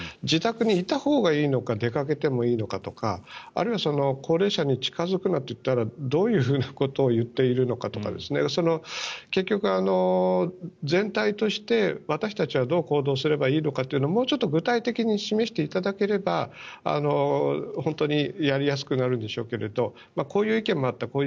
自宅にいたほうがいいのか出かけてもいいのかとかあるいは高齢者に近付くなといったらどういうことを言っているのかとか結局、全体として私たちはどう行動すればいいのかをもうちょっと具体的に示していただければ本当にやりやすくなるんでしょうけどこういう意見もあった